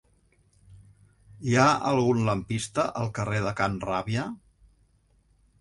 Hi ha algun lampista al carrer de Can Ràbia?